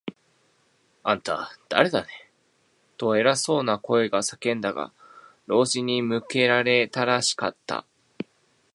「あんた、だれだね？」と、偉そうな声が叫んだが、老人に向けられたらしかった。